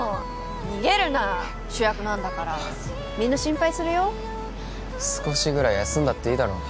逃げるな主役なんだからみんな心配するよ少しぐらい休んだっていいだろ